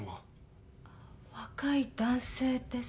若い男性です。